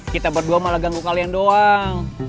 kita berdua malah ganggu kalian doang